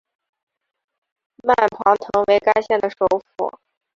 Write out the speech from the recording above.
曼庞滕为该县的首府。